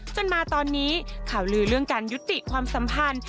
จนมาตอนนี้ข่าวลือเรื่องการยุติความสัมพันธ์